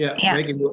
ya baik ibu